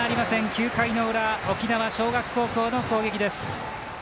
９回の裏、沖縄尚学高校の攻撃。